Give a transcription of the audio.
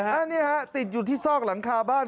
อันนี้ฮะติดอยู่ที่ซอกหลังคาบ้าน